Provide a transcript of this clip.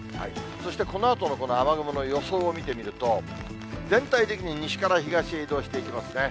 そしてこのあとのこの雨雲の予想を見てみると、全体的に西から東へ移動していきますね。